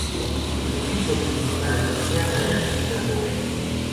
L'ufficio principale dell'azienda è a Singapore.